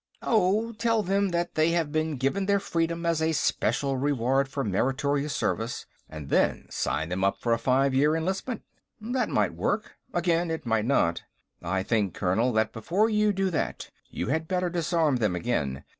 "Oh, tell them that they have been given their freedom as a special reward for meritorious service, and then sign them up for a five year enlistment." "That might work. Again, it might not." "I think, Colonel, that before you do that, you had better disarm them again.